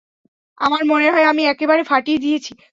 আমার মনে হয়, আমি একেবারে ফাটিয়ে দিয়েছি।